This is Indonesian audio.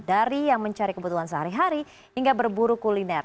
dari yang mencari kebutuhan sehari hari hingga berburu kuliner